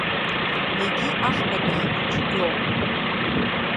Егьи, ахԥатәи, ҳхәыҷы иоуп.